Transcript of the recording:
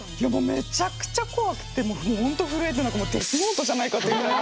めちゃくちゃ怖くてもうほんと震えてなんかもうデスノートじゃないかっていうぐらい。